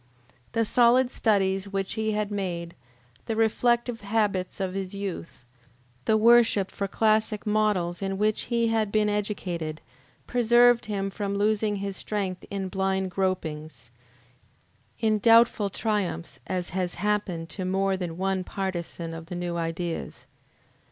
The solid studies which he had made, the reflective habits of his youth, the worship for classic models in which he had been educated, preserved him from losing his strength in blind gropings, in doubtful triumphs, as has happened to more than one partisan of the new ideas.